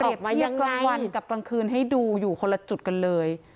เทียบกลางวันกับกลางคืนให้ดูอยู่คนละจุดกันเลย